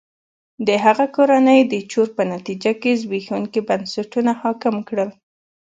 د هغه کورنۍ د چور په نتیجه کې زبېښونکي بنسټونه حاکم کړل.